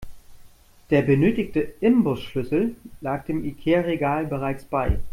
Der benötigte Imbusschlüssel lag dem Ikea-Regal bereits bei.